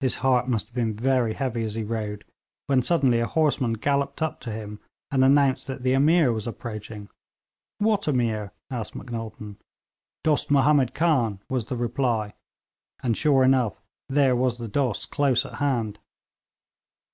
His heart must have been very heavy as he rode, when suddenly a horseman galloped up to him and announced that the Ameer was approaching. 'What Ameer?' asked Macnaghten. 'Dost Mahomed Khan,' was the reply, and sure enough there was the Dost close at hand.